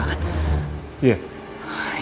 bapak kesini bareng bu andin juga